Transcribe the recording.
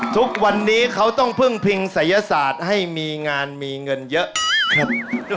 ทุกวันนี้เขาต้องพึ่งพิงศัยศาสตร์ให้มีงานมีเงินเยอะครับ